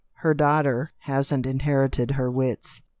Her daughter hasn't inherited her wits."